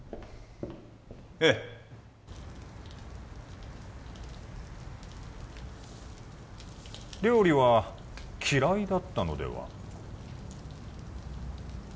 ええ料理は嫌いだったのでは？